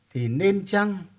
thì nên chăng